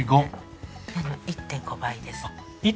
１５！１．５倍です。